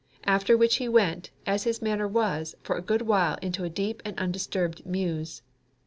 After which he went, as his manner was, for a good while into a deep and undisturbed muse.